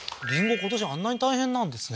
今年あんなに大変なんですね